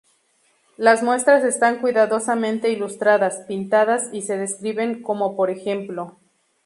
Las muestras están cuidadosamente ilustradas, pintadas, y se describen, como por ej.